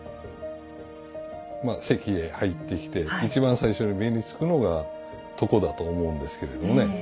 席へ入ってきて一番最初に目につくのが床だと思うんですけれどもね。